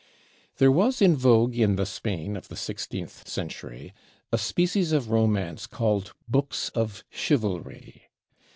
There was in vogue in the Spain of the sixteenth century a species of romance called books of chivalry.